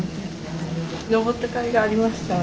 登ったかいがありました。